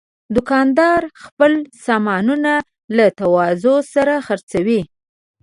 دوکاندار خپل سامانونه له تواضع سره خرڅوي.